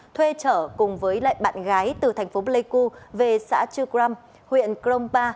thuê trở cùng với lại bạn gái từ thành phố pleiku về xã chư cram huyện krong pa